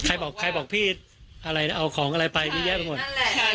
ใครบอกใครบอกพี่อะไรนะเอาของอะไรไปเยอะแยะไปหมด